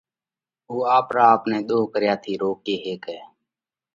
اُو آپرا آپ نئہ ۮوه ڪريا ٿِي روڪي هيڪئه۔